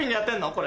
これ。